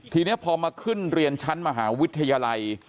ทีนี้พอมาขึ้นเรียนชั้นมหาวิทยาลัย